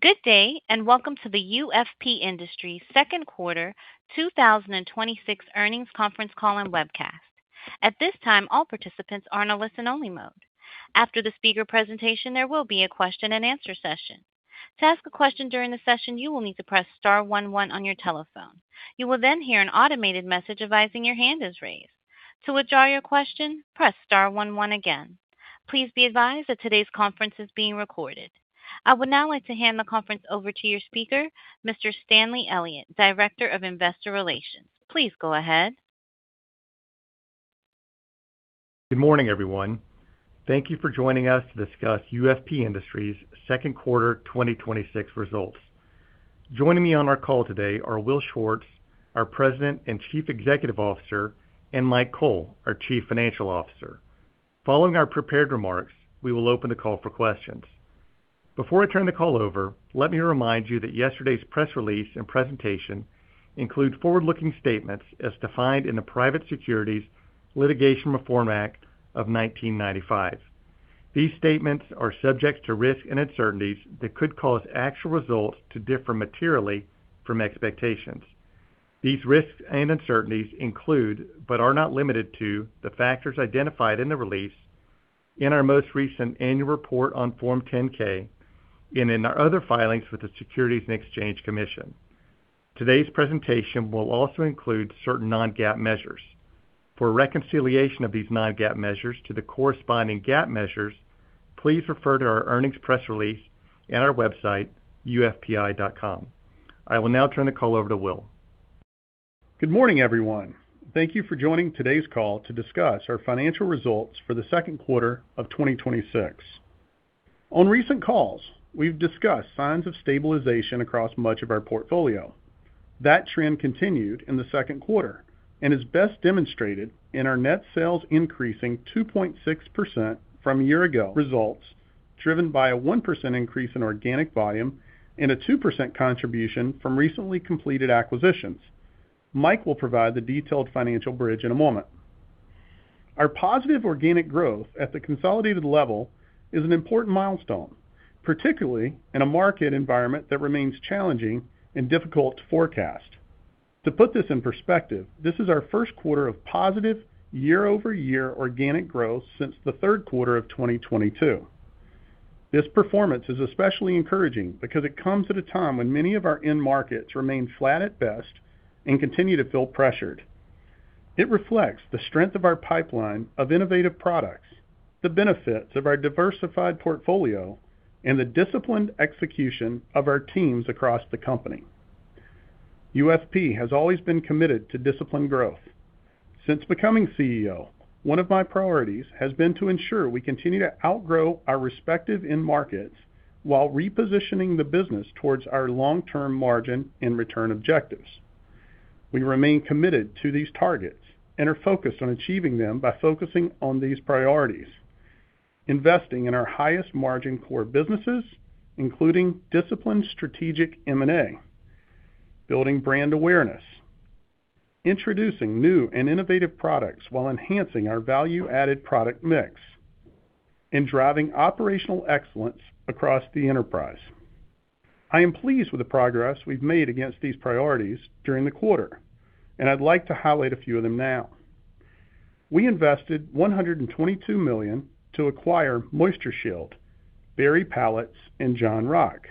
Good day. Welcome to the UFP Industries second quarter 2026 earnings conference call and webcast. At this time, all participants are in a listen-only mode. After the speaker presentation, there will be a question-and-answer session. To ask a question during the session, you will need to press star one one on your telephone. You will then hear an automated message advising your hand is raised. To withdraw your question, press star one one again. Please be advised that today's conference is being recorded. I would now like to hand the conference over to your speaker, Mr. Stanley Elliott, Director of Investor Relations. Please go ahead. Good morning, everyone. Thank you for joining us to discuss UFP Industries' second quarter 2026 results. Joining me on our call today are Will Schwartz, our President and Chief Executive Officer, and Mike Cole, our Chief Financial Officer. Following our prepared remarks, we will open the call for questions. Before I turn the call over, let me remind you that yesterday's press release and presentation include forward-looking statements as defined in the Private Securities Litigation Reform Act of 1995. These statements are subject to risks and uncertainties that could cause actual results to differ materially from expectations. These risks and uncertainties include, but are not limited to, the factors identified in the release, in our most recent annual report on Form 10-K, and in our other filings with the Securities and Exchange Commission. Today's presentation will also include certain non-GAAP measures. For a reconciliation of these non-GAAP measures to the corresponding GAAP measures, please refer to our earnings press release at our website, ufpi.com. I will now turn the call over to Will. Good morning, everyone. Thank you for joining today's call to discuss our financial results for the second quarter of 2026. On recent calls, we've discussed signs of stabilization across much of our portfolio. That trend continued in the second quarter and is best demonstrated in our net sales increasing 2.6% from a year ago results, driven by a 1% increase in organic volume and a 2% contribution from recently completed acquisitions. Mike will provide the detailed financial bridge in a moment. Our positive organic growth at the consolidated level is an important milestone, particularly in a market environment that remains challenging and difficult to forecast. To put this in perspective, this is our first quarter of positive year-over-year organic growth since the third quarter of 2022. This performance is especially encouraging because it comes at a time when many of our end markets remain flat at best and continue to feel pressured. It reflects the strength of our pipeline of innovative products, the benefits of our diversified portfolio, and the disciplined execution of our teams across the company. UFP has always been committed to disciplined growth. Since becoming CEO, one of my priorities has been to ensure we continue to outgrow our respective end markets while repositioning the business towards our long-term margin and return objectives. We remain committed to these targets and are focused on achieving them by focusing on these priorities: investing in our highest margin core businesses, including disciplined strategic M&A, building brand awareness, introducing new and innovative products while enhancing our value-added product mix, and driving operational excellence across the enterprise. I am pleased with the progress we've made against these priorities during the quarter, and I'd like to highlight a few of them now. We invested $122 million to acquire MoistureShield, Berry Pallets, and John Rock.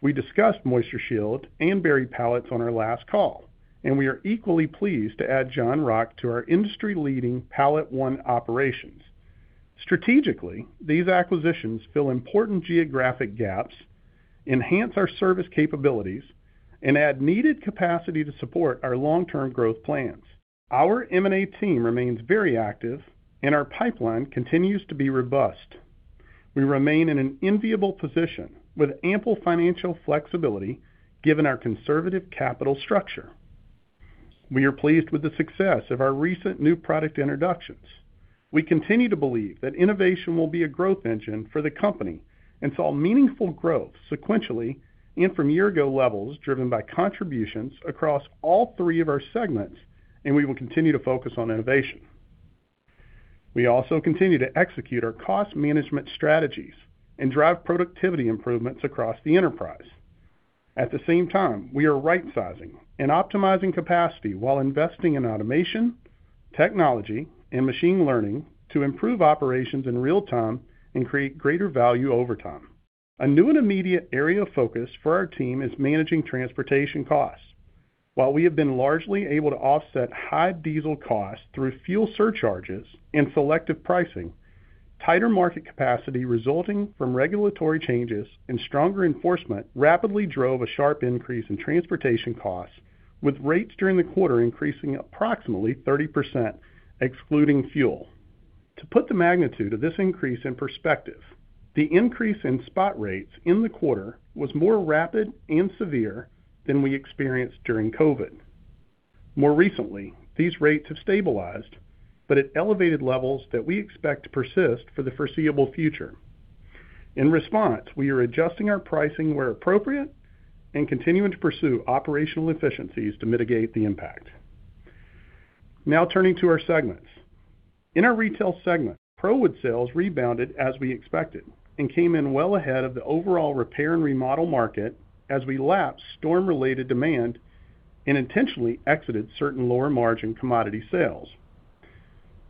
We discussed MoistureShield and Berry Pallets on our last call, and we are equally pleased to add John Rock to our industry-leading PalletOne operations. Strategically, these acquisitions fill important geographic gaps, enhance our service capabilities, and add needed capacity to support our long-term growth plans. Our M&A team remains very active, and our pipeline continues to be robust. We remain in an enviable position with ample financial flexibility given our conservative capital structure. We are pleased with the success of our recent new product introductions. We continue to believe that innovation will be a growth engine for the company and saw meaningful growth sequentially and from year-ago levels driven by contributions across all three of our segments, and we will continue to focus on innovation. We also continue to execute our cost management strategies and drive productivity improvements across the enterprise. At the same time, we are rightsizing and optimizing capacity while investing in automation, technology, and machine learning to improve operations in real time and create greater value over time. A new and immediate area of focus for our team is managing transportation costs. While we have been largely able to offset high diesel costs through fuel surcharges and selective pricing, tighter market capacity resulting from regulatory changes and stronger enforcement rapidly drove a sharp increase in transportation costs, with rates during the quarter increasing approximately 30%, excluding fuel. To put the magnitude of this increase in perspective, the increase in spot rates in the quarter was more rapid and severe than we experienced during COVID. More recently, these rates have stabilized but at elevated levels that we expect to persist for the foreseeable future. In response, we are adjusting our pricing where appropriate and continuing to pursue operational efficiencies to mitigate the impact. Now turning to our segments. In our Retail segment, ProWood sales rebounded as we expected and came in well ahead of the overall repair and remodel market as we lapsed storm-related demand and intentionally exited certain lower-margin commodity sales.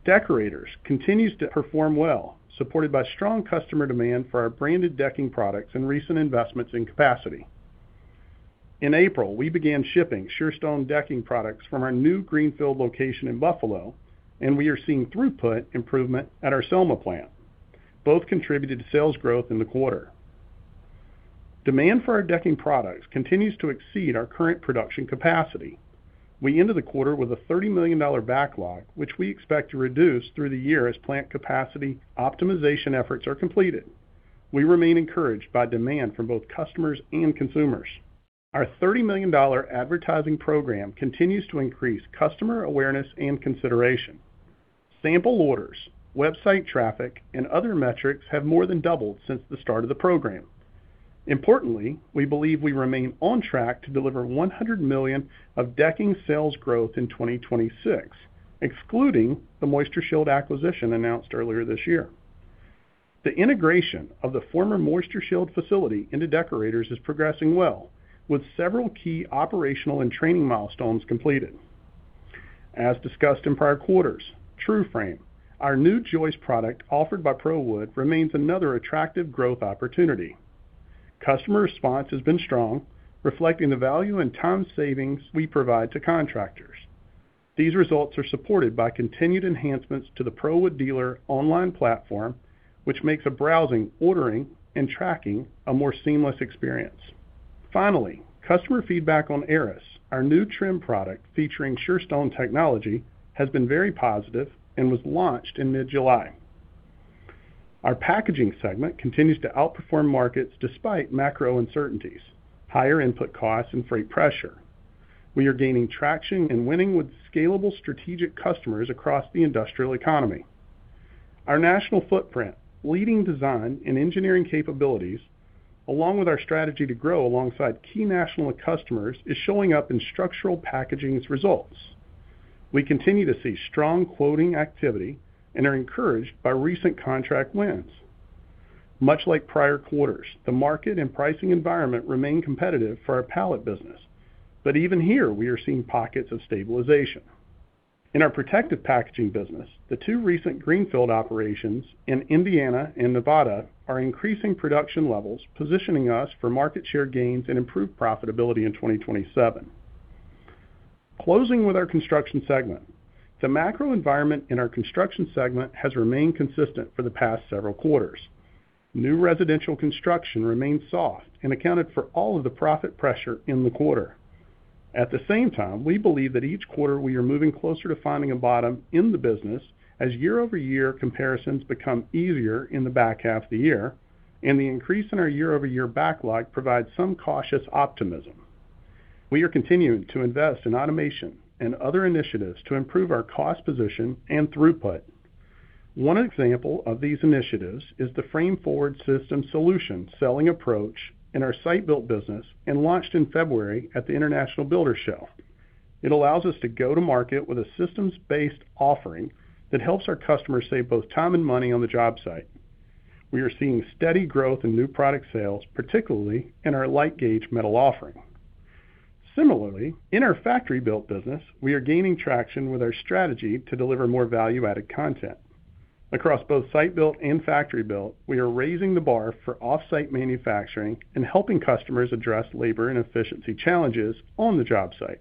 Deckorators continues to perform well, supported by strong customer demand for our branded decking products and recent investments in capacity. In April, we began shipping Surestone decking products from our new greenfield location in Buffalo, and we are seeing throughput improvement at our Selma plant. Both contributed to sales growth in the quarter. Demand for our decking products continues to exceed our current production capacity. We ended the quarter with a $30 million backlog, which we expect to reduce through the year as plant capacity optimization efforts are completed. We remain encouraged by demand from both customers and consumers. Our $30 million advertising program continues to increase customer awareness and consideration. Sample orders, website traffic, and other metrics have more than doubled since the start of the program. Importantly, we believe we remain on track to deliver $100 million of decking sales growth in 2026, excluding the MoistureShield acquisition announced earlier this year. The integration of the former MoistureShield facility into Deckorators is progressing well, with several key operational and training milestones completed. As discussed in prior quarters, TrueFrame, our new joist product offered by ProWood, remains another attractive growth opportunity. Customer response has been strong, reflecting the value and time savings we provide to contractors. These results are supported by continued enhancements to the ProWood dealer online platform, which makes browsing, ordering, and tracking a more seamless experience. Finally, customer feedback on Arris, our new trim product featuring Surestone technology, has been very positive and was launched in mid-July. Our Packaging segment continues to outperform markets despite macro uncertainties, higher input costs, and freight pressure. We are gaining traction and winning with scalable strategic customers across the industrial economy. Our national footprint, leading design and engineering capabilities, along with our strategy to grow alongside key national customers, is showing up in structural packaging's results. We continue to see strong quoting activity and are encouraged by recent contract wins. Much like prior quarters, the market and pricing environment remain competitive for our pallet business. Even here, we are seeing pockets of stabilization. In our protective packaging business, the two recent greenfield operations in Indiana and Nevada are increasing production levels, positioning us for market share gains and improved profitability in 2027. Closing with our Construction segment. The macro environment in our Construction segment has remained consistent for the past several quarters. New residential construction remains soft and accounted for all of the profit pressure in the quarter. At the same time, we believe that each quarter we are moving closer to finding a bottom in the business as year-over-year comparisons become easier in the back half of the year, and the increase in our year-over-year backlog provides some cautious optimism. We are continuing to invest in automation and other initiatives to improve our cost position and throughput. One example of these initiatives is the Frame Forward Systems solution selling approach in our site-built business and launched in February at the International Builders' Show. It allows us to go to market with a systems-based offering that helps our customers save both time and money on the job site. We are seeing steady growth in new product sales, particularly in our light gauge metal offering. Similarly, in our factory-built business, we are gaining traction with our strategy to deliver more value-added content. Across both site-built and factory-built, we are raising the bar for off-site manufacturing and helping customers address labor and efficiency challenges on the job site.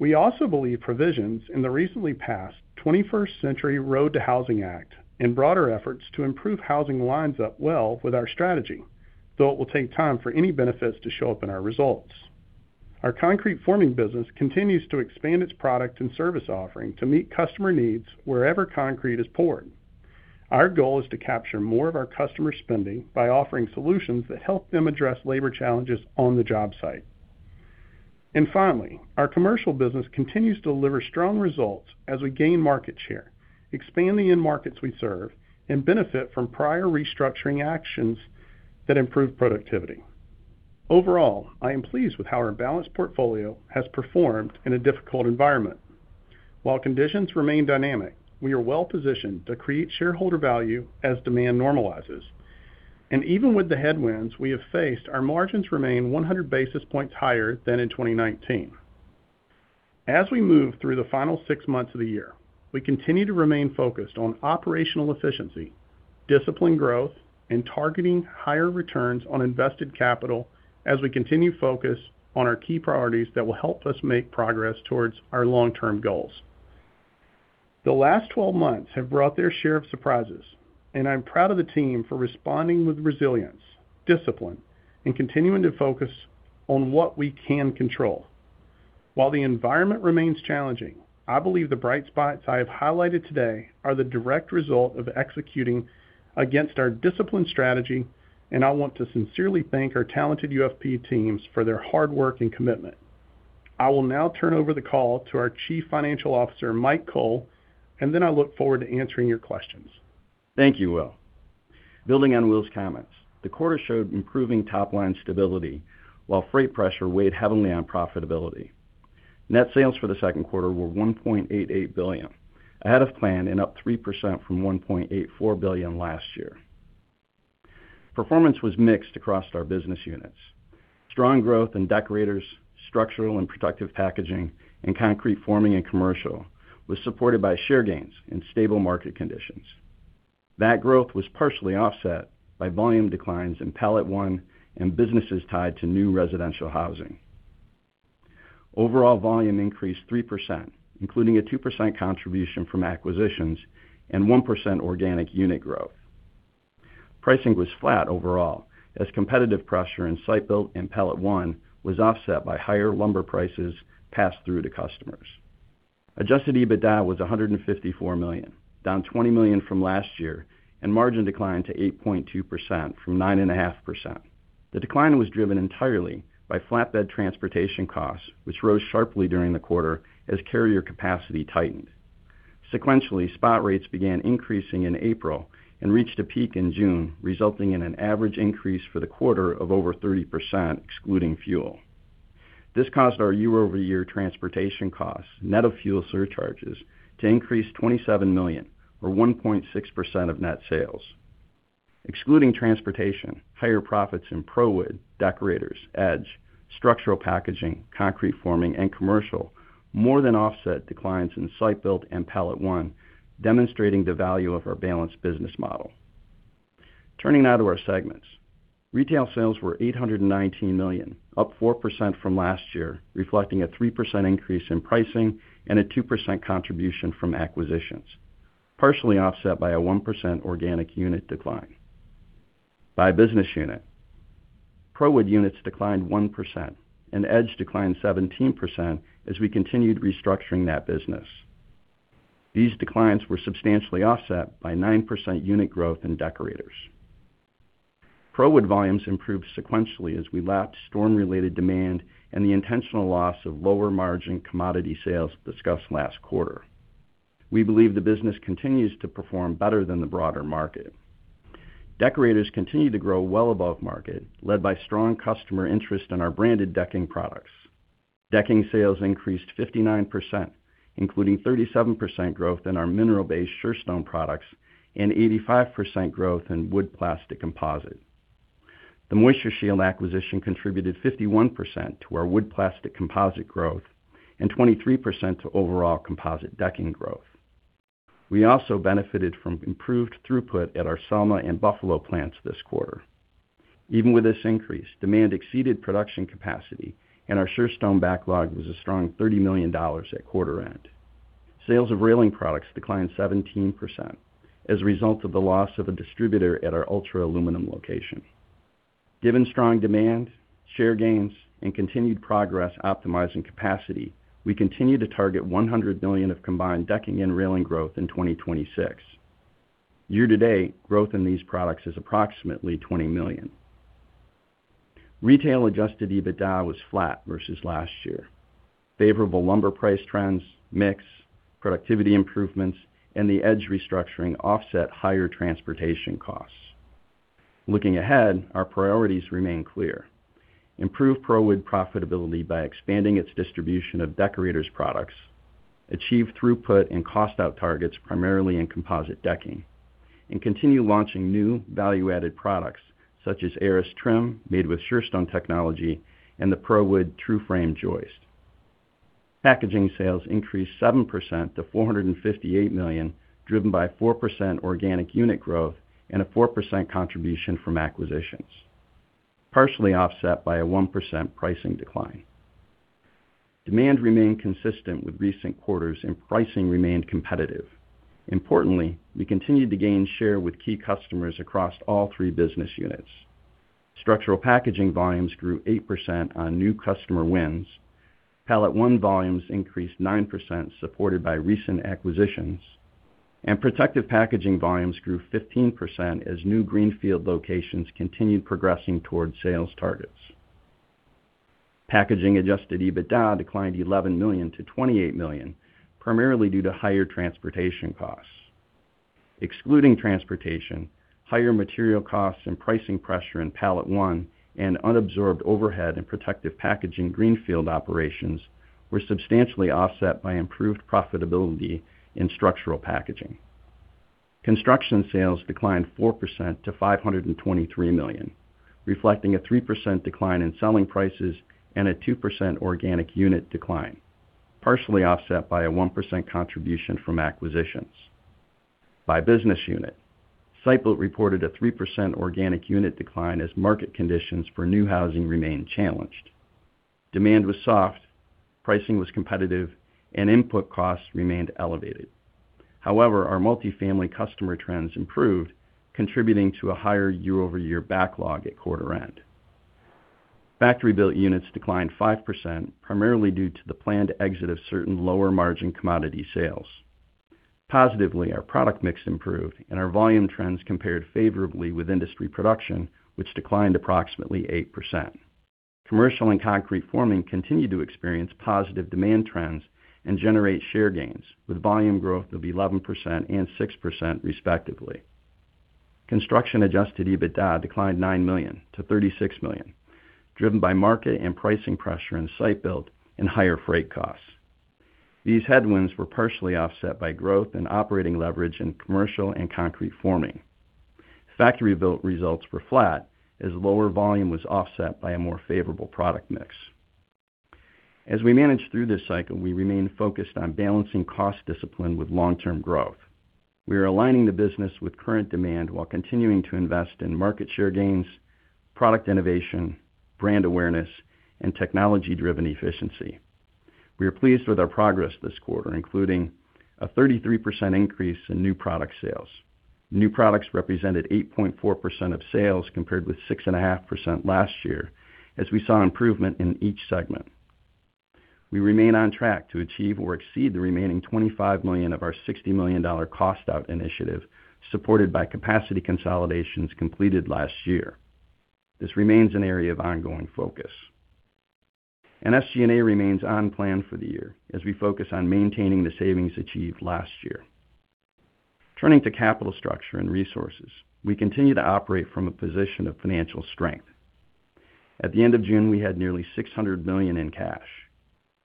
We also believe provisions in the recently passed 21st Century ROAD to Housing Act and broader efforts to improve housing lines up well with our strategy, though it will take time for any benefits to show up in our results. Our concrete forming business continues to expand its product and service offering to meet customer needs wherever concrete is poured. Our goal is to capture more of our customer spending by offering solutions that help them address labor challenges on the job site. Finally, our commercial business continues to deliver strong results as we gain market share, expand the end markets we serve, and benefit from prior restructuring actions that improve productivity. Overall, I am pleased with how our balanced portfolio has performed in a difficult environment. While conditions remain dynamic, we are well-positioned to create shareholder value as demand normalizes. Even with the headwinds we have faced, our margins remain 100 basis points higher than in 2019. As we move through the final six months of the year, we continue to remain focused on operational efficiency, disciplined growth, and targeting higher returns on invested capital as we continue focus on our key priorities that will help us make progress towards our long-term goals. The last 12 months have brought their share of surprises, and I'm proud of the team for responding with resilience, discipline, and continuing to focus on what we can control. While the environment remains challenging, I believe the bright spots I have highlighted today are the direct result of executing against our disciplined strategy, and I want to sincerely thank our talented UFP teams for their hard work and commitment. I will now turn over the call to our Chief Financial Officer, Mike Cole, then I look forward to answering your questions. Thank you, Will. Building on Will's comments, the quarter showed improving top-line stability while freight pressure weighed heavily on profitability. Net sales for the second quarter were $1.88 billion, ahead of plan and up 3% from $1.84 billion last year. Performance was mixed across our business units. Strong growth in Deckorators, structural and protective packaging, and concrete forming and commercial was supported by share gains and stable market conditions. That growth was partially offset by volume declines in PalletOne and businesses tied to new residential housing. Overall volume increased 3%, including a 2% contribution from acquisitions and 1% organic unit growth. Pricing was flat overall as competitive pressure in site-built and PalletOne was offset by higher lumber prices passed through to customers. Adjusted EBITDA was $154 million, down $20 million from last year and margin declined to 8.2% from 9.5%. The decline was driven entirely by flatbed transportation costs, which rose sharply during the quarter as carrier capacity tightened. Sequentially, spot rates began increasing in April and reached a peak in June, resulting in an average increase for the quarter of over 30%, excluding fuel. This caused our year-over-year transportation costs, net of fuel surcharges, to increase $27 million or 1.6% of net sales. Excluding transportation, higher profits in ProWood, Deckorators, Edge, structural packaging, concrete forming, and commercial more than offset declines in site-built and PalletOne, demonstrating the value of our balanced business model. Turning now to our segments. Retail sales were $819 million, up 4% from last year, reflecting a 3% increase in pricing and a 2% contribution from acquisitions, partially offset by a 1% organic unit decline. By business unit, ProWood units declined 1% and Edge declined 17% as we continued restructuring that business. These declines were substantially offset by 9% unit growth in Deckorators. ProWood volumes improved sequentially as we lapped storm-related demand and the intentional loss of lower-margin commodity sales discussed last quarter. We believe the business continues to perform better than the broader market. Deckorators continue to grow well above market, led by strong customer interest in our branded decking products. Decking sales increased 59%, including 37% growth in our mineral-based Surestone products and 85% growth in wood plastic composite. The MoistureShield acquisition contributed 51% to our wood plastic composite growth and 23% to overall composite decking growth. We also benefited from improved throughput at our Selma and Buffalo plants this quarter. Even with this increase, demand exceeded production capacity and our Surestone backlog was a strong $30 million at quarter end. Sales of railing products declined 17% as a result of the loss of a distributor at our Ultra Aluminum location. Given strong demand, share gains, and continued progress optimizing capacity, we continue to target $100 million of combined decking and railing growth in 2026. Year-to-date, growth in these products is approximately $20 million. Retail adjusted EBITDA was flat versus last year. Favorable lumber price trends, mix, productivity improvements, and the Edge restructuring offset higher transportation costs. Looking ahead, our priorities remain clear. Improve ProWood profitability by expanding its distribution of Deckorators products, achieve throughput and cost out targets primarily in composite decking, continue launching new value-added products such as Arris trim made with Surestone technology and the ProWood TrueFrame joist. Packaging sales increased 7% to $458 million, driven by 4% organic unit growth and a 4% contribution from acquisitions, partially offset by a 1% pricing decline. Demand remained consistent with recent quarters and pricing remained competitive. Importantly, we continued to gain share with key customers across all three business units. Structural packaging volumes grew 8% on new customer wins. PalletOne volumes increased 9%, supported by recent acquisitions. Protective packaging volumes grew 15% as new greenfield locations continued progressing towards sales targets. Packaging adjusted EBITDA declined $11 million to $28 million, primarily due to higher transportation costs. Excluding transportation, higher material costs and pricing pressure in PalletOne and unabsorbed overhead in protective packaging greenfield operations were substantially offset by improved profitability in structural packaging. Construction sales declined 4% to $523 million, reflecting a 3% decline in selling prices and a 2% organic unit decline, partially offset by a 1% contribution from acquisitions. By business unit, site-built reported a 3% organic unit decline as market conditions for new housing remained challenged. Demand was soft, pricing was competitive, input costs remained elevated. However, our multifamily customer trends improved, contributing to a higher year-over-year backlog at quarter end. Factory-built units declined 5%, primarily due to the planned exit of certain lower-margin commodity sales. Positively, our product mix improved and our volume trends compared favorably with industry production, which declined approximately 8%. Commercial and Concrete Forming continue to experience positive demand trends and generate share gains with volume growth of 11% and 6% respectively. Construction adjusted EBITDA declined $9 million to $36 million, driven by market and pricing pressure in Site Built and higher freight costs. These headwinds were partially offset by growth and operating leverage in Commercial and Concrete Forming. Factory Built results were flat as lower volume was offset by a more favorable product mix. As we manage through this cycle, we remain focused on balancing cost discipline with long-term growth. We are aligning the business with current demand while continuing to invest in market share gains, product innovation, brand awareness, and technology-driven efficiency. We are pleased with our progress this quarter, including a 33% increase in new product sales. New products represented 8.4% of sales compared with 6.5% last year, as we saw improvement in each segment. We remain on track to achieve or exceed the remaining $25 million of our $60 million cost-out initiative, supported by capacity consolidations completed last year. This remains an area of ongoing focus. SG&A remains on plan for the year as we focus on maintaining the savings achieved last year. Turning to capital structure and resources, we continue to operate from a position of financial strength. At the end of June, we had nearly $600 million in cash.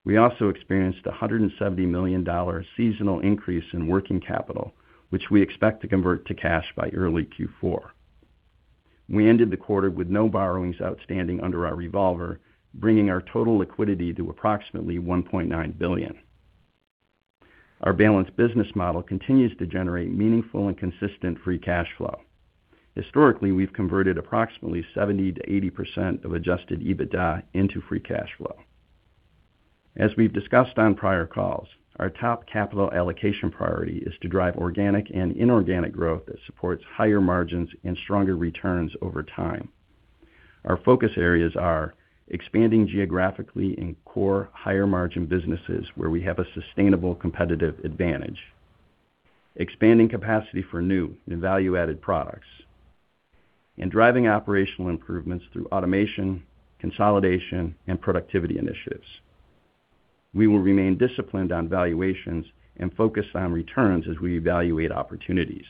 We also experienced $170 million seasonal increase in working capital, which we expect to convert to cash by early Q4. We ended the quarter with no borrowings outstanding under our revolver, bringing our total liquidity to approximately $1.9 billion. Our balanced business model continues to generate meaningful and consistent free cash flow. Historically, we've converted approximately 70%-80% of adjusted EBITDA into free cash flow. As we've discussed on prior calls, our top capital allocation priority is to drive organic and inorganic growth that supports higher margins and stronger returns over time. Our focus areas are expanding geographically in core higher-margin businesses where we have a sustainable competitive advantage. Expanding capacity for new and value-added products. Driving operational improvements through automation, consolidation, and productivity initiatives. We will remain disciplined on valuations and focused on returns as we evaluate opportunities.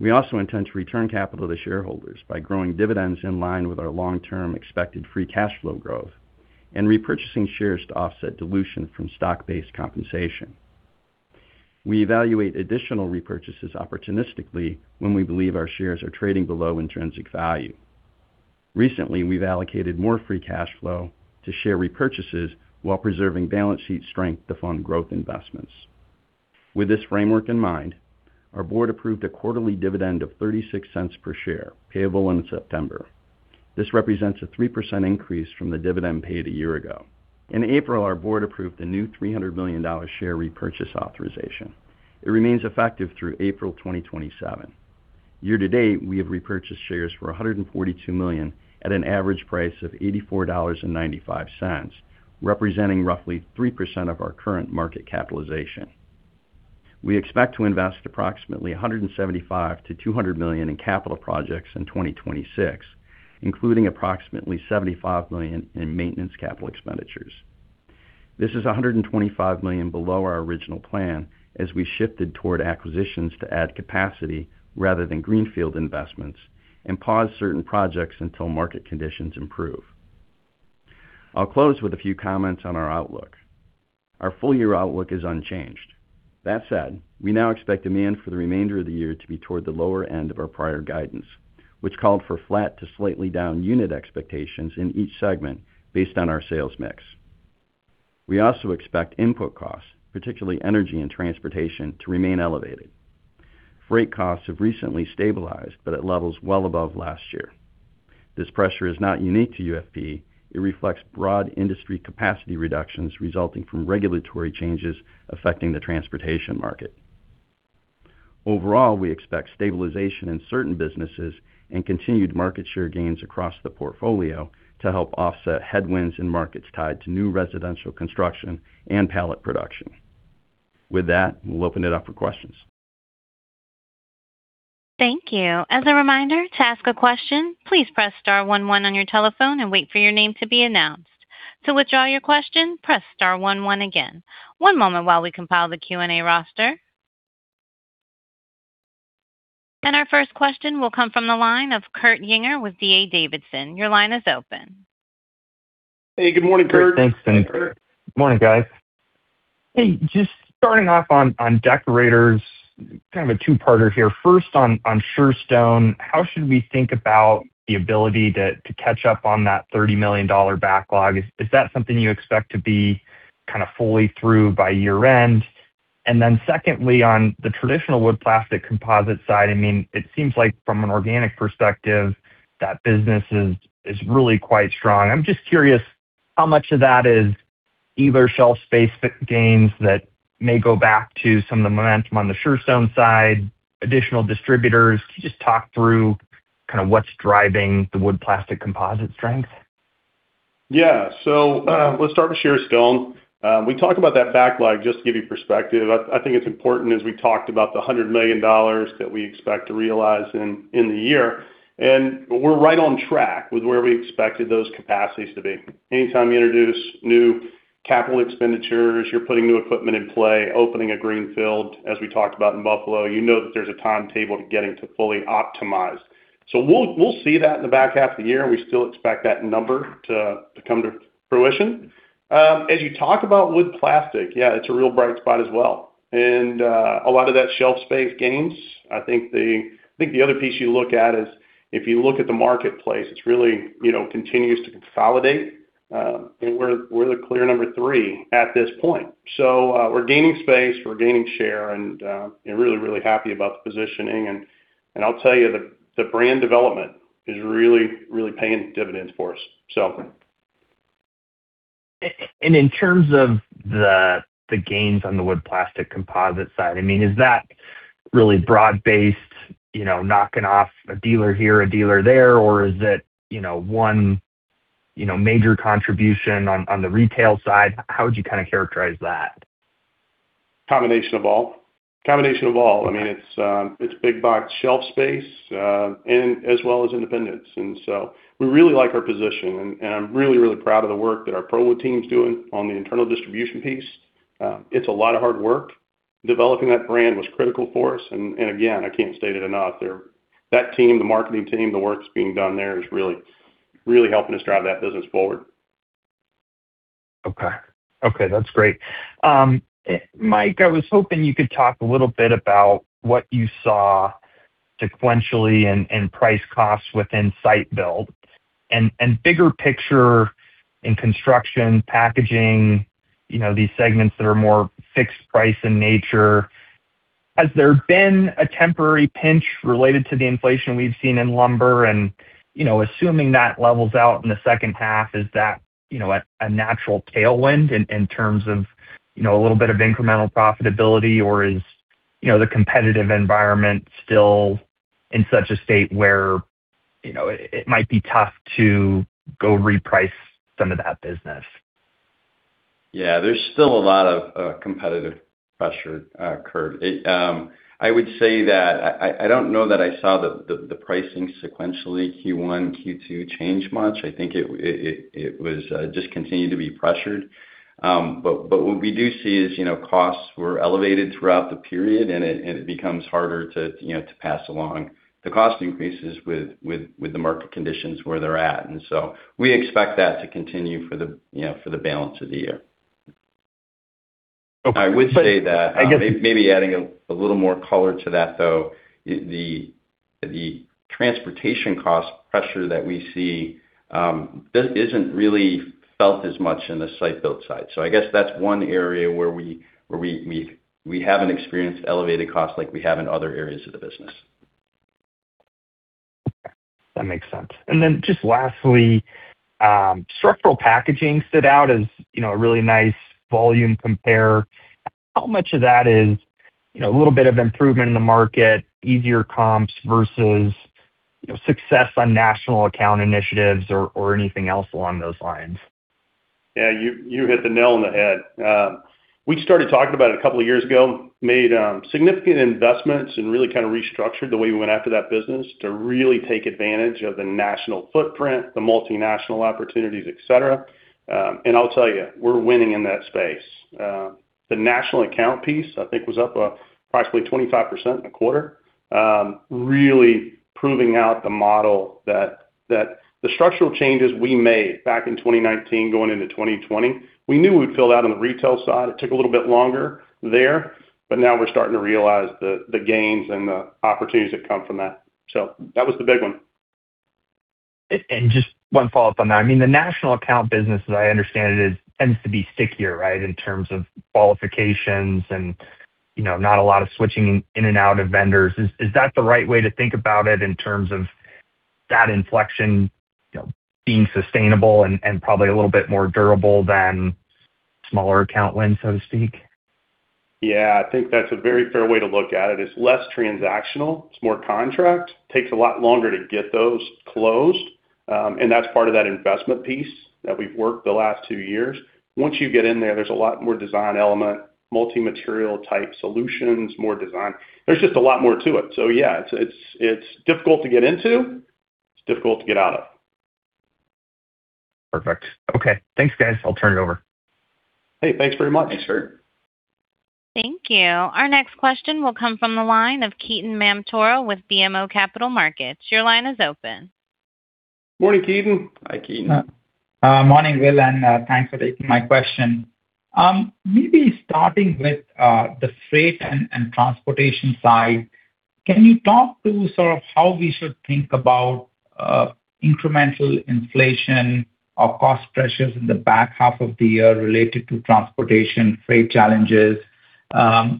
We also intend to return capital to shareholders by growing dividends in line with our long-term expected free cash flow growth and repurchasing shares to offset dilution from stock-based compensation. We evaluate additional repurchases opportunistically when we believe our shares are trading below intrinsic value. Recently, we've allocated more free cash flow to share repurchases while preserving balance sheet strength to fund growth investments. With this framework in mind, our board approved a quarterly dividend of $0.36 per share, payable in September. This represents a 3% increase from the dividend paid a year ago. In April, our board approved a new $300 million share repurchase authorization. It remains effective through April 2027. Year to date, we have repurchased shares for $142 million at an average price of $84.95, representing roughly 3% of our current market capitalization. We expect to invest approximately $175 million-$200 million in capital projects in 2026, including approximately $75 million in maintenance capital expenditures. This is $125 million below our original plan as we shifted toward acquisitions to add capacity rather than greenfield investments and paused certain projects until market conditions improve. I'll close with a few comments on our outlook. Our full-year outlook is unchanged. That said, we now expect demand for the remainder of the year to be toward the lower end of our prior guidance, which called for flat to slightly down unit expectations in each segment based on our sales mix. We also expect input costs, particularly energy and transportation, to remain elevated. Freight costs have recently stabilized, but at levels well above last year. This pressure is not unique to UFP. It reflects broad industry capacity reductions resulting from regulatory changes affecting the transportation market. Overall, we expect stabilization in certain businesses and continued market share gains across the portfolio to help offset headwinds in markets tied to new residential construction and pallet production. With that, we'll open it up for questions. Thank you. As a reminder, to ask a question, please press *11 on your telephone and wait for your name to be announced. To withdraw your question, press *11 again. One moment while we compile the Q&A roster. Our first question will come from the line of Kurt Yinger with D.A. Davidson. Your line is open. Hey, good morning, Kurt. Great. Thanks. Morning, guys. Hey, just starting off on Deckorators, kind of a two-parter here. First on Surestone, how should we think about the ability to catch up on that $30 million backlog? Is that something you expect to be fully through by year-end? Secondly, on the traditional wood plastic composite side, it seems like from an organic perspective, that business is really quite strong. I'm just curious how much of that is either shelf space gains that may go back to some of the momentum on the Surestone side, additional distributors? Can you just talk through what's driving the wood plastic composite strength? Yeah. Let's start with Surestone. We talked about that backlog, just to give you perspective. I think it's important as we talked about the $100 million that we expect to realize in the year, we're right on track with where we expected those capacities to be. Anytime you introduce new capital expenditures, you're putting new equipment in play, opening a greenfield, as we talked about in Buffalo, you know that there's a timetable to getting to fully optimize. We'll see that in the back half of the year, we still expect that number to come to fruition. As you talk about wood plastic, yeah, it's a real bright spot as well. A lot of that shelf space gains. I think the other piece you look at is, if you look at the marketplace, it really continues to consolidate. We're the clear number three at this point. We're gaining space, we're gaining share, really, really happy about the positioning. I'll tell you, the brand development is really, really paying dividends for us. In terms of the gains on the wood plastic composite side, is that really broad-based, knocking off a dealer here, a dealer there, or is it one major contribution on the retail side? How would you kind of characterize that? Combination of all. It's big box shelf space, as well as independents. We really like our position, and I'm really proud of the work that our ProWood team's doing on the internal distribution piece. It's a lot of hard work. Developing that brand was critical for us. Again, I can't state it enough, that team, the marketing team, the work that's being done there is really helping us drive that business forward. Okay, that's great. Mike, I was hoping you could talk a little bit about what you saw sequentially in price costs within site build and bigger picture in Construction, Packaging, these segments that are more fixed-price in nature. Has there been a temporary pinch related to the inflation we've seen in lumber and assuming that levels out in the second half, is that a natural tailwind in terms of a little bit of incremental profitability or is the competitive environment still in such a state where it might be tough to go reprice some of that business? Yeah, there's still a lot of competitive pressure, Kurt. I would say that I don't know that I saw the pricing sequentially Q1, Q2 change much. I think it just continued to be pressured. What we do see is costs were elevated throughout the period, and it becomes harder to pass along the cost increases with the market conditions where they're at. We expect that to continue for the balance of the year. Okay. I would say that maybe adding a little more color to that, though, the transportation cost pressure that we see isn't really felt as much in the site-built side. I guess that's one area where we haven't experienced elevated costs like we have in other areas of the business. That makes sense. Then just lastly, structural packaging stood out as a really nice volume compare. How much of that is a little bit of improvement in the market, easier comps versus success on national account initiatives or anything else along those lines? Yeah, you hit the nail on the head. We started talking about it a couple of years ago, made significant investments really kind of restructured the way we went after that business to really take advantage of the national footprint, the multinational opportunities, et cetera. I'll tell you, we're winning in that space. The national account piece, I think was up approximately 25% in the quarter, really proving out the model that the structural changes we made back in 2019 going into 2020, we knew we'd fill out on the retail side. It took a little bit longer there, now we're starting to realize the gains and the opportunities that come from that. That was the big one. Just one follow-up on that. The national account business, as I understand it, tends to be stickier, right, in terms of qualifications and not a lot of switching in and out of vendors. Is that the right way to think about it in terms of that inflection being sustainable and probably a little bit more durable than smaller account wins, so to speak? Yeah, I think that's a very fair way to look at it. It's less transactional, it's more contract. Takes a lot longer to get those closed, and that's part of that investment piece that we've worked the last two years. Once you get in there's a lot more design element, multi-material type solutions, more design. There's just a lot more to it. Yeah, it's difficult to get into, it's difficult to get out of. Perfect. Okay. Thanks, guys. I'll turn it over. Hey, thanks very much. Thanks, Kurt. Thank you. Our next question will come from the line of Ketan Mamtora with BMO Capital Markets. Your line is open. Morning, Ketan. Hi, Ketan. Morning, Will, and thanks for taking my question. Starting with the freight and transportation side, can you talk through sort of how we should think about incremental inflation or cost pressures in the back half of the year related to transportation, freight challenges? How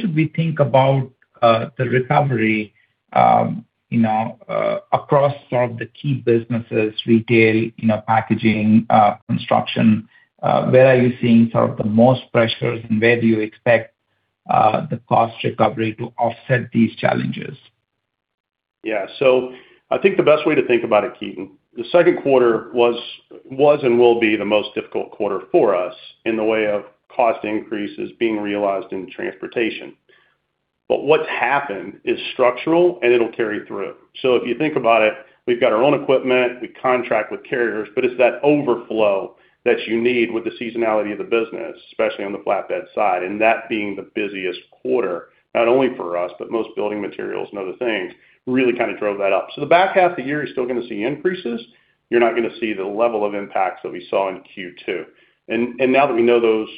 should we think about the recovery across sort of the key businesses, retail, packaging, construction? Where are you seeing sort of the most pressures, and where do you expect the cost recovery to offset these challenges? I think the best way to think about it, Ketan, the second quarter was and will be the most difficult quarter for us in the way of cost increases being realized in transportation. What's happened is structural and it'll carry through. If you think about it, we've got our own equipment, we contract with carriers, but it's that overflow that you need with the seasonality of the business, especially on the flatbed side, and that being the busiest quarter, not only for us, but most building materials and other things really kind of drove that up. The back half of the year, you're still going to see increases. You're not going to see the level of impacts that we saw in Q2. Now that we know those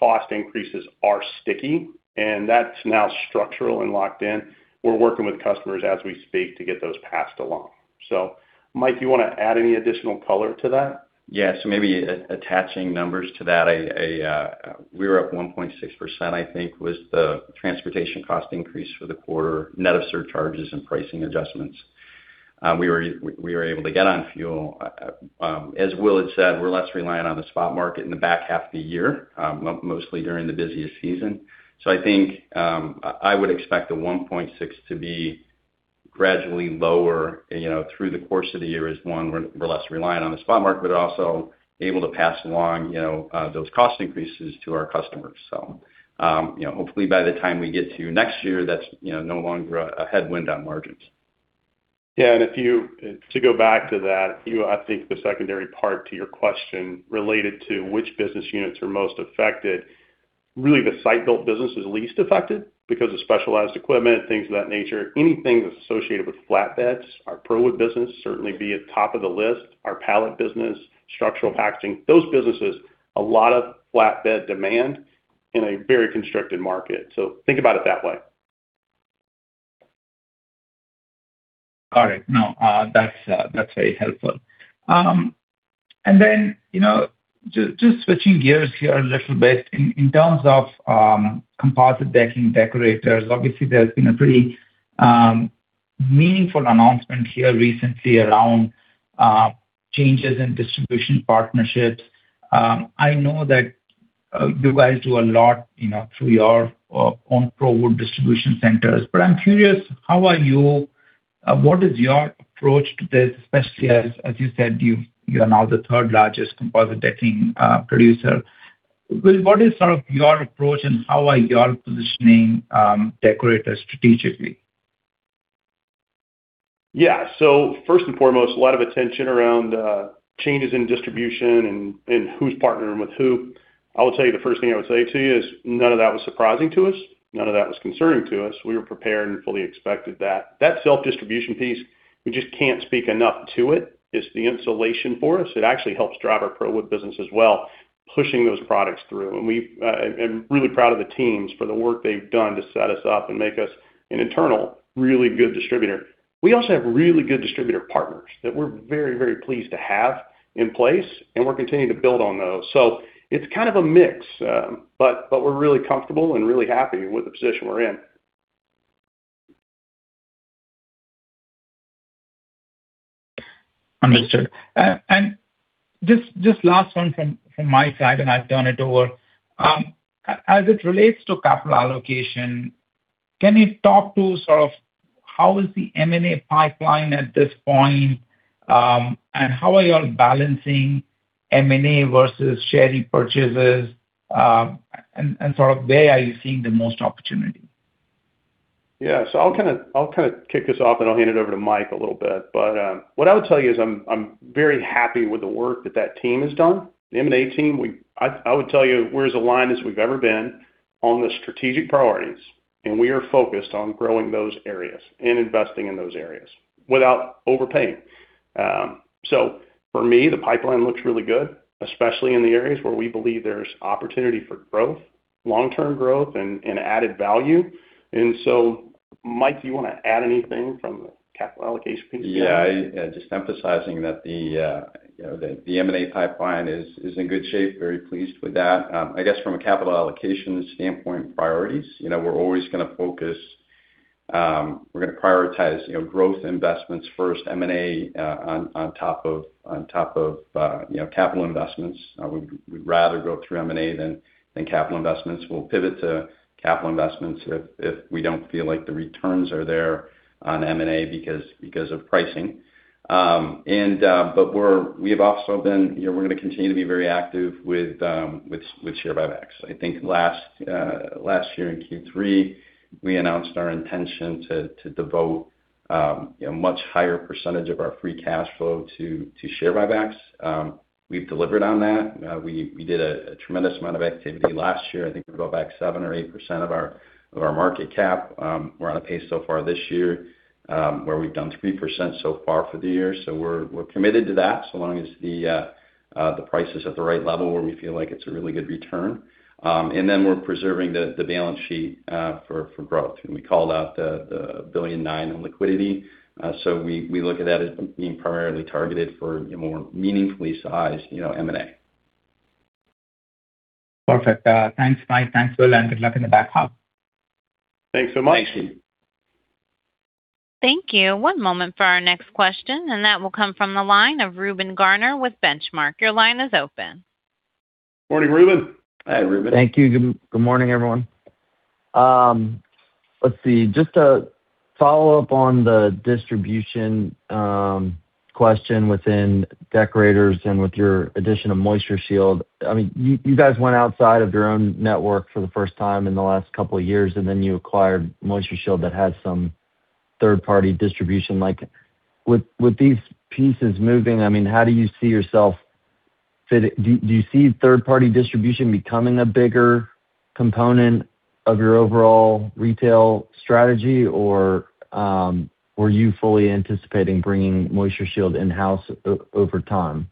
cost increases are sticky and that's now structural and locked in, we're working with customers as we speak to get those passed along. Mike, you want to add any additional color to that? Maybe attaching numbers to that. We were up 1.6%, I think was the transportation cost increase for the quarter, net of surcharges and pricing adjustments. We were able to get on fuel. As Will had said, we're less reliant on the spot market in the back half of the year, mostly during the busiest season. I think, I would expect the 1.6 to be gradually lower through the course of the year as, one, we're less reliant on the spot market, but also able to pass along those cost increases to our customers. Hopefully by the time we get to next year, that's no longer a headwind on margins. Yeah. To go back to that, I think the secondary part to your question related to which business units are most affected, really the site-built business is least affected because of specialized equipment, things of that nature. Anything that's associated with flatbeds, our ProWood business certainly would be at the top of the list. Our pallet business, structural packaging, those businesses, a lot of flatbed demand in a very constricted market. Think about it that way. All right. That's very helpful. Just switching gears here a little bit, in terms of composite decking Deckorators, obviously there's been a pretty meaningful announcement here recently around changes in distribution partnerships. I know that you guys do a lot through your own ProWood distribution centers, but I'm curious, what is your approach to this? Especially as you said, you are now the third-largest composite decking producer. Will, what is sort of your approach and how are you all positioning Deckorators strategically? Yeah. First and foremost, a lot of attention around changes in distribution and who's partnering with who. The first thing I would say to you is none of that was surprising to us. None of that was concerning to us. We were prepared and fully expected that. That self-distribution piece, we just can't speak enough to it. It's the insulation for us. It actually helps drive our ProWood business as well, pushing those products through. I'm really proud of the teams for the work they've done to set us up and make us an internal, really good distributor. We also have really good distributor partners that we're very, very pleased to have in place, and we're continuing to build on those. It's kind of a mix. We're really comfortable and really happy with the position we're in. Understood. Just last one from my side, and I'll turn it over. As it relates to capital allocation, can you talk to sort of how is the M&A pipeline at this point? How are you all balancing M&A versus share repurchases? Sort of where are you seeing the most opportunity? I'll kind of kick us off, and I'll hand it over to Mike a little bit. What I would tell you is I'm very happy with the work that that team has done. The M&A team, I would tell you we're as aligned as we've ever been on the strategic priorities, and we are focused on growing those areas and investing in those areas without overpaying. For me, the pipeline looks really good, especially in the areas where we believe there's opportunity for growth, long-term growth, and added value. Mike, do you want to add anything from the capital allocation piece? Just emphasizing that the M&A pipeline is in good shape. Very pleased with that. I guess from a capital allocation standpoint priorities, we're going to prioritize growth investments first, M&A on top of capital investments. We'd rather go through M&A than capital investments. We'll pivot to capital investments if we don't feel like the returns are there on M&A because of pricing. We're going to continue to be very active with share buybacks. I think last year in Q3, we announced our intention to devote a much higher % of our free cash flow to share buybacks. We've delivered on that. We did a tremendous amount of activity last year. I think we bought back 7% or 8% of our market cap. We're on a pace so far this year where we've done 3% so far for the year. We're committed to that so long as the price is at the right level where we feel like it's a really good return. We're preserving the balance sheet for growth. We called out the $1.9 billion in liquidity. We look at that as being primarily targeted for more meaningfully sized M&A. Perfect. Thanks, Mike. Thanks, Will, good luck in the back half. Thanks so much. Thank you. Thank you. One moment for our next question, and that will come from the line of Reuben Garner with Benchmark. Your line is open. Morning, Reuben. Hi, Reuben. Thank you. Good morning, everyone. Let's see. Just to follow up on the distribution question within Deckorators and with your addition of MoistureShield, you guys went outside of your own network for the first time in the last couple of years, then you acquired MoistureShield, that has some third-party distribution. With these pieces moving, how do you see yourself fit in? Do you see third-party distribution becoming a bigger component of your overall retail strategy, or were you fully anticipating bringing MoistureShield in-house over time?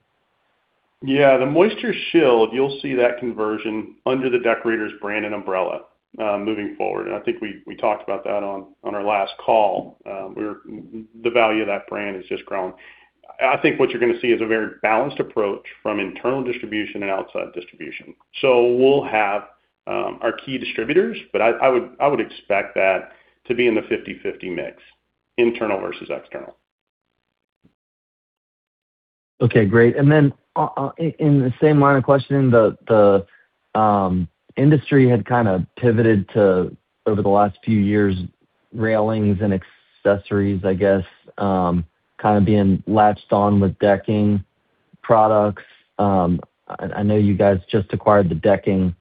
Yeah. The MoistureShield, you'll see that conversion under the Deckorators brand and umbrella moving forward. I think we talked about that on our last call. The value of that brand has just grown. I think what you're going to see is a very balanced approach from internal distribution and outside distribution. We'll have our key distributors, but I would expect that to be in the 50/50 mix, internal versus external. Okay, great. In the same line of questioning, the industry had kind of pivoted to, over the last few years, railings and accessories, I guess, kind of being latched on with decking products. I know you guys just acquired the decking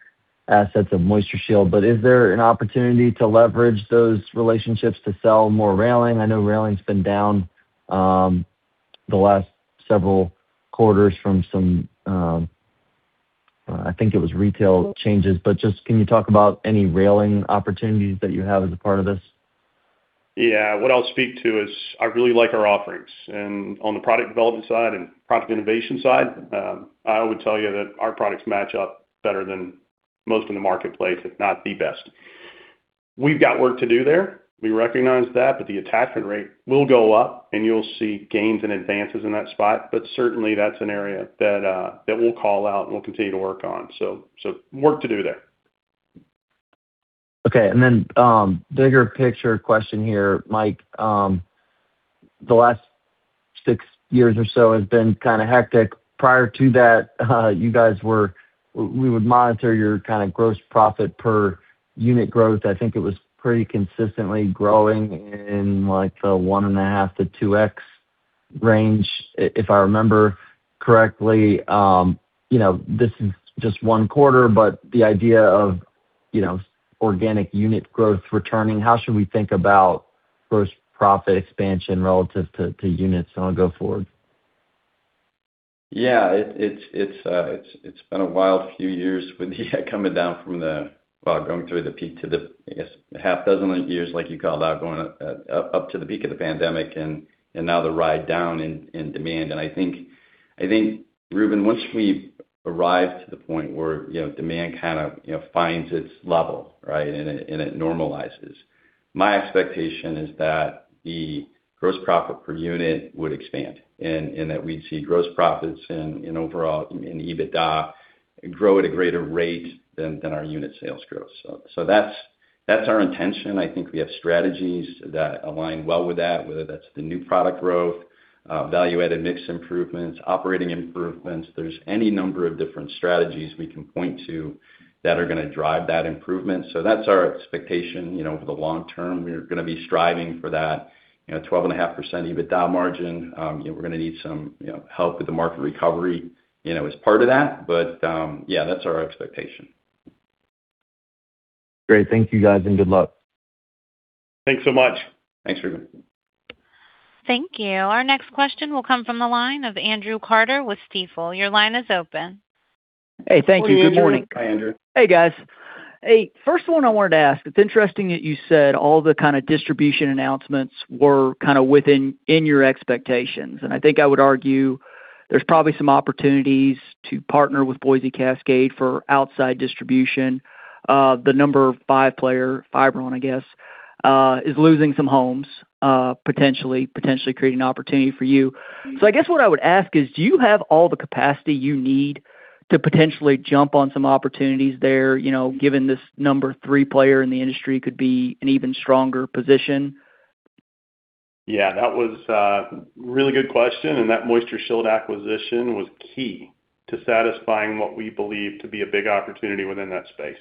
assets of MoistureShield, but is there an opportunity to leverage those relationships to sell more railing? I know railing's been down the last several quarters from some, I think it was retail changes. Just can you talk about any railing opportunities that you have as a part of this? Yeah. What I'll speak to is I really like our offerings. On the product development side and product innovation side, I would tell you that our products match up better than most in the marketplace, if not the best. We've got work to do there. We recognize that. The attachment rate will go up, and you'll see gains and advances in that spot. Certainly, that's an area that we'll call out and we'll continue to work on. Work to do there. Okay. Bigger picture question here, Mike. The last six years or so has been kind of hectic. Prior to that, we would monitor your kind of gross profit per unit growth. I think it was pretty consistently growing in like the one and a half to 2x range, if I remember correctly. This is just one quarter, the idea of organic unit growth returning, how should we think about gross profit expansion relative to units going forward? Yeah. It's been a wild few years with going through the peak to the, I guess, half dozen years like you called out, going up to the peak of the pandemic, and now the ride down in demand. I think, Reuben, once we arrive to the point where demand kind of finds its level, right, and it normalizes, my expectation is that the gross profit per unit would expand, and that we'd see gross profits and overall, in EBITDA, grow at a greater rate than our unit sales growth. That's our intention. I think we have strategies that align well with that, whether that's the new product growth, value-added mix improvements, operating improvements. There's any number of different strategies we can point to that are going to drive that improvement. That's our expectation. For the long term, we're going to be striving for that 12.5% EBITDA margin. We're going to need some help with the market recovery as part of that. Yeah, that's our expectation. Great. Thank you guys, and good luck. Thanks so much. Thanks, Reuben. Thank you. Our next question will come from the line of Andrew Carter with Stifel. Your line is open. Morning, Andrew. Hi, Andrew. Hey, guys. First one I wanted to ask, it's interesting that you said all the kind of distribution announcements were kind of within your expectations. I think I would argue there's probably some opportunities to partner with Boise Cascade for outside distribution. The number five player, Fiberon, I guess, is losing some homes, potentially creating opportunity for you. I guess what I would ask is, do you have all the capacity you need to potentially jump on some opportunities there, given this number three player in the industry could be an even stronger position? Yeah, that was a really good question. That MoistureShield acquisition was key to satisfying what we believe to be a big opportunity within that space.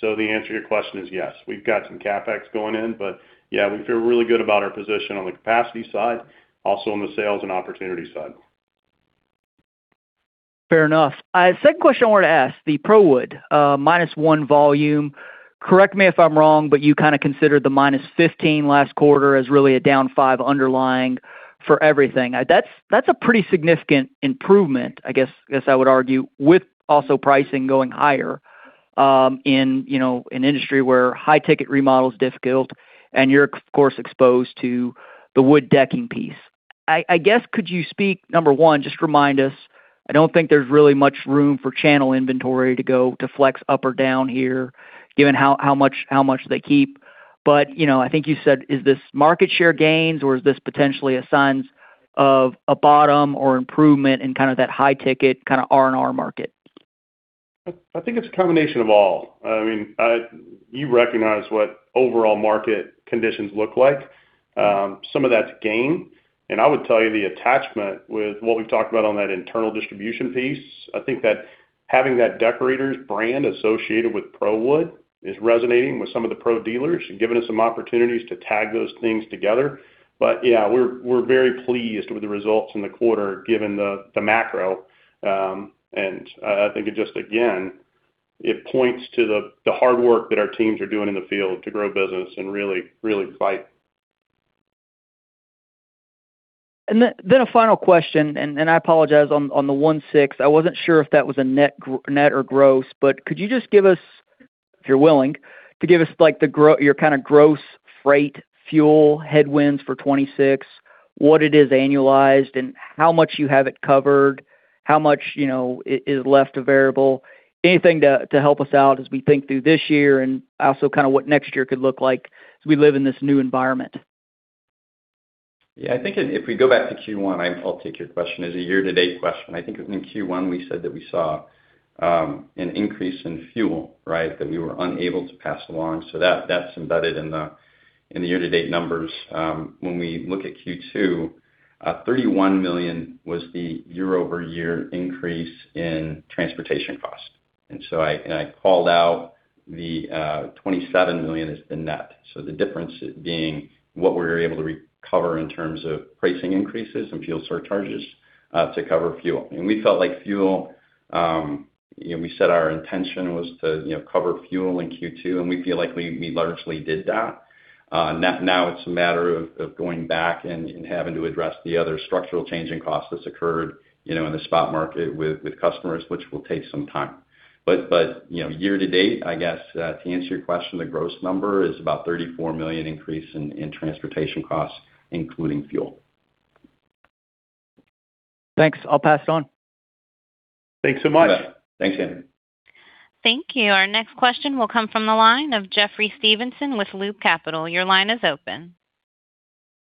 The answer to your question is yes. We've got some CapEx going in, yeah, we feel really good about our position on the capacity side, also on the sales and opportunity side. Fair enough. Second question I wanted to ask, the ProWood, -1% volume. Correct me if I'm wrong, but you kind of considered the -15% last quarter as really a down five underlying for everything. That's a pretty significant improvement, I guess I would argue, with also pricing going higher, in an industry where high ticket remodel is difficult, and you're, of course, exposed to the wood decking piece. I guess, could you speak, number one, just remind us, I don't think there's really much room for channel inventory to go to flex up or down here given how much they keep. But I think you said, is this market share gains or is this potentially a signs of a bottom or improvement in kind of that high ticket kind of R&R market? I think it's a combination of all. You recognize what overall market conditions look like. Some of that's gain. I would tell you the attachment with what we've talked about on that internal distribution piece, I think that Having that Deckorators brand associated with ProWood is resonating with some of the pro dealers and giving us some opportunities to tag those things together. Yeah, we're very pleased with the results in the quarter, given the macro. I think it just, again, it points to the hard work that our teams are doing in the field to grow business and really fight. A final question, I apologize, on the one six, I wasn't sure if that was a net or gross, but could you just give us, if you're willing, to give us your kind of gross freight fuel headwinds for 2026, what it is annualized, and how much you have it covered, how much is left to variable? Anything to help us out as we think through this year, and also kind of what next year could look like as we live in this new environment. Yeah, I think if we go back to Q1, I'll take your question, as a year-to-date question. I think in Q1, we said that we saw an increase in fuel, that we were unable to pass along. That's embedded in the year-to-date numbers. When we look at Q2, $31 million was the year-over-year increase in transportation cost. I called out the $27 million as the net. The difference being what we were able to recover in terms of pricing increases and fuel surcharges to cover fuel. We felt like we said our intention was to cover fuel in Q2, and we feel like we largely did that. Now it's a matter of going back and having to address the other structural change in cost that's occurred in the spot market with customers, which will take some time. Year to date, I guess, to answer your question, the gross number is about $34 million increase in transportation costs, including fuel. Thanks. I'll pass it on. Thanks so much. You bet. Thanks, Andrew. Thank you. Our next question will come from the line of Jeffrey Stevenson with Loop Capital. Your line is open.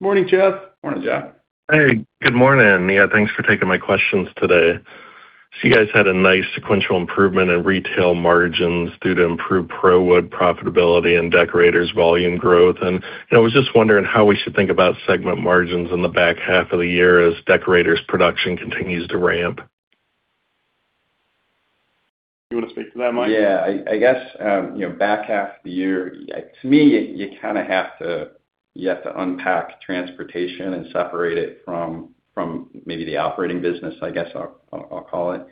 Morning, Jeff. Morning, Jeff. Hey, good morning. Yeah, thanks for taking my questions today. You guys had a nice sequential improvement in retail margins due to improved ProWood profitability and Deckorators volume growth. I was just wondering how we should think about segment margins in the back half of the year as Deckorators production continues to ramp. You want to speak to that, Mike? I guess, back half of the year, to me, you have to unpack transportation and separate it from maybe the operating business, I guess I'll call it.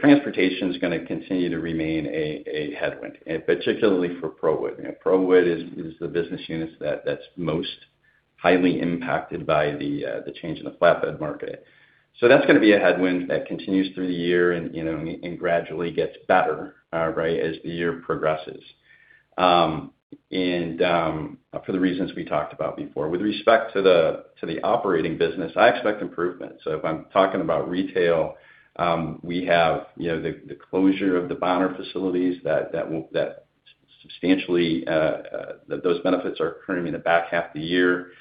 Transportation's going to continue to remain a headwind, particularly for ProWood. ProWood is the business unit that's most highly impacted by the change in the flatbed market. That's going to be a headwind that continues through the year and gradually gets better as the year progresses. For the reasons we talked about before. With respect to the operating business, I expect improvement. If I'm talking about retail, we have the closure of the Bonner facilities that substantially, those benefits are accruing in the back half of the year.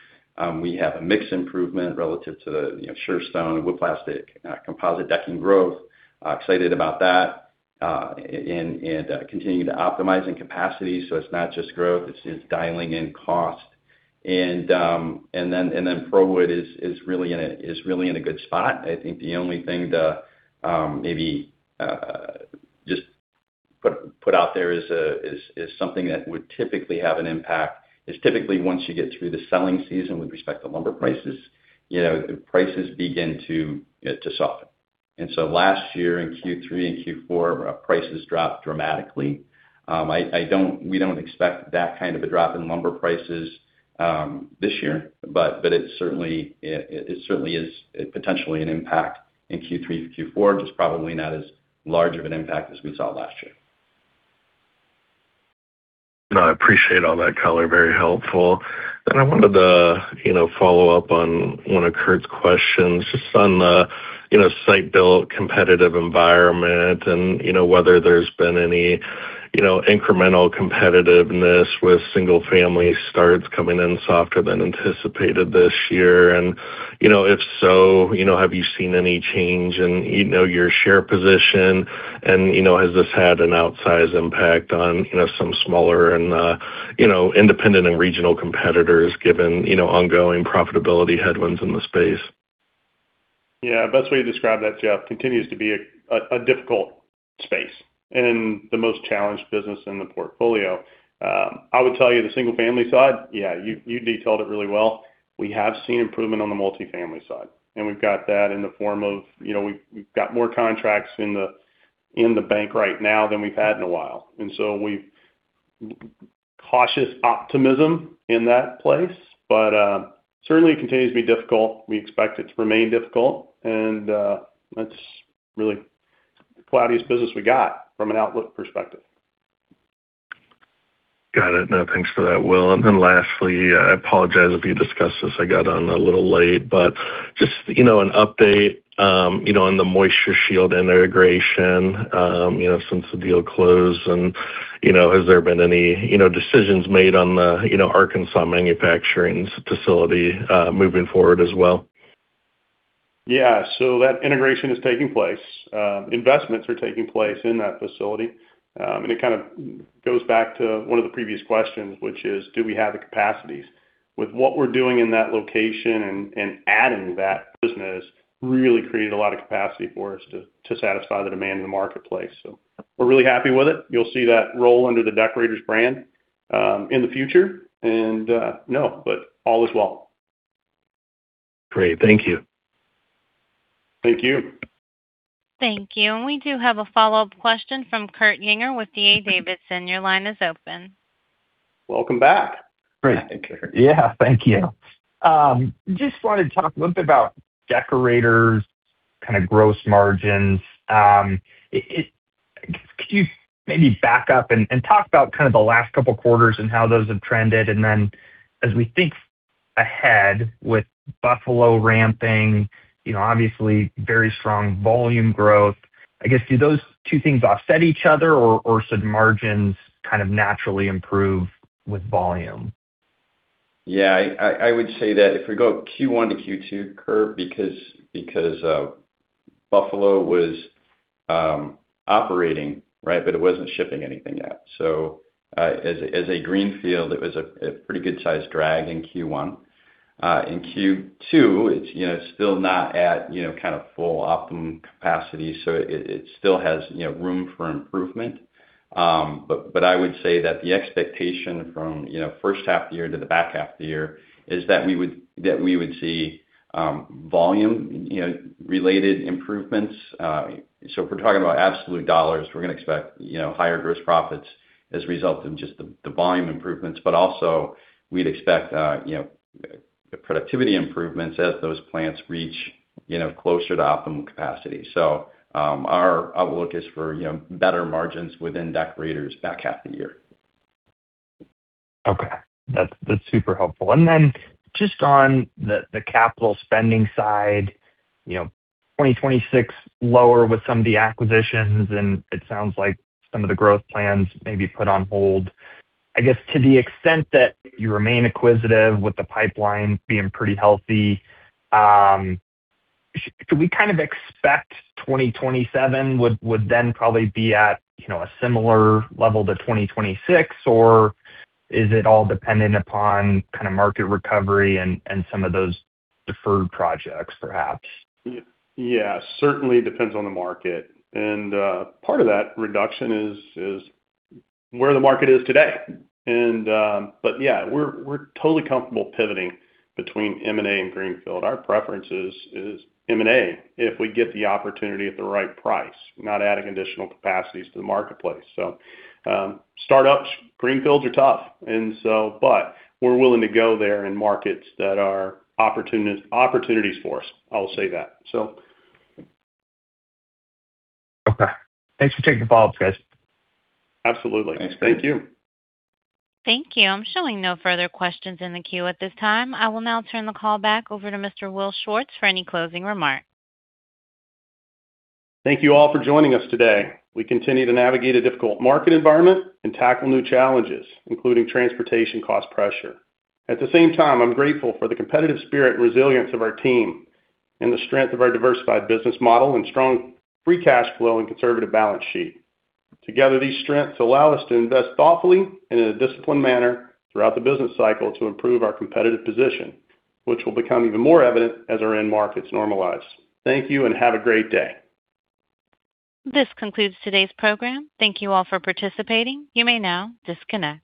We have a mix improvement relative to SureStone and WoodPlastic composite decking growth. Excited about that, continuing to optimize in capacity. It's not just growth, it's dialing in cost. ProWood is really in a good spot. I think the only thing to maybe just put out there is something that would typically have an impact is typically once you get through the selling season with respect to lumber prices, the prices begin to soften. Last year in Q3 and Q4, prices dropped dramatically. We don't expect that kind of a drop in lumber prices this year, but it certainly is potentially an impact in Q3 and Q4, just probably not as large of an impact as we saw last year. I appreciate all that color. Very helpful. I wanted to follow up on one of Kurt's questions, just on the site build competitive environment and whether there's been any incremental competitiveness with single-family starts coming in softer than anticipated this year. If so, have you seen any change in your share position? Has this had an outsize impact on some smaller and independent and regional competitors given ongoing profitability headwinds in the space? Yeah. Best way to describe that, Jeff, continues to be a difficult space and the most challenged business in the portfolio. I would tell you the single family side, you detailed it really well. We have seen improvement on the multifamily side, and we've got that in the form of, we've got more contracts in the bank right now than we've had in a while. We have cautious optimism in that place, certainly continues to be difficult. We expect it to remain difficult, and that's really the cloudiest business we got from an outlook perspective. Got it. No, thanks for that, Will. Lastly, I apologize if you discussed this. I got on a little late, but just an update on the MoistureShield integration since the deal closed, and has there been any decisions made on the Arkansas manufacturing facility moving forward as well? Yeah. That integration is taking place. Investments are taking place in that facility. It kind of goes back to one of the previous questions, which is: Do we have the capacities? With what we're doing in that location and adding that business, really created a lot of capacity for us to satisfy the demand in the marketplace. We're really happy with it. You'll see that roll under the Deckorators brand, in the future. no, all is well. Great. Thank you. Thank you. Thank you. We do have a follow-up question from Kurt Yinger with D.A. Davidson. Your line is open. Welcome back. Great. Hi, Kurt. Yeah. Thank you. Just wanted to talk a little bit about Deckorators kind of gross margins. Could you maybe back up and talk about kind of the last couple quarters and how those have trended? Then as we think ahead with Buffalo ramping, obviously very strong volume growth, I guess, do those two things offset each other or should margins kind of naturally improve with volume? Okay. I would say that if we go Q1 to Q2, Kurt, because Buffalo was operating, right? It wasn't shipping anything yet. As a greenfield, it was a pretty good sized drag in Q1. In Q2, it's still not at kind of full optimum capacity, so it still has room for improvement. I would say that the expectation from first half of the year to the back half of the year is that we would see volume-related improvements. If we're talking about absolute dollars, we're going to expect higher gross profits as a result of just the volume improvements. Also we'd expect the productivity improvements as those plants reach closer to optimum capacity. Our outlook is for better margins within Deckorators back half of the year. Okay. That's super helpful. Then just on the capital spending side, 2026 lower with some of the acquisitions, and it sounds like some of the growth plans may be put on hold. I guess to the extent that you remain acquisitive with the pipeline being pretty healthy, should we kind of expect 2027 would then probably be at a similar level to 2026? Is it all dependent upon kind of market recovery and some of those deferred projects, perhaps? Yeah. Certainly depends on the market. Part of that reduction is where the market is today. Yeah, we're totally comfortable pivoting between M&A and greenfield. Our preference is M&A if we get the opportunity at the right price, not adding additional capacities to the marketplace. Startups, greenfields are tough. We're willing to go there in markets that are opportunities for us, I'll say that. Okay. Thanks for taking the follow-ups, guys. Absolutely. Thanks. Thank you. Thank you. I'm showing no further questions in the queue at this time. I will now turn the call back over to Mr. Will Schwartz for any closing remarks. Thank you all for joining us today. We continue to navigate a difficult market environment and tackle new challenges, including transportation cost pressure. At the same time, I'm grateful for the competitive spirit and resilience of our team and the strength of our diversified business model and strong free cash flow and conservative balance sheet. Together, these strengths allow us to invest thoughtfully and in a disciplined manner throughout the business cycle to improve our competitive position, which will become even more evident as our end markets normalize. Thank you and have a great day. This concludes today's program. Thank you all for participating. You may now disconnect.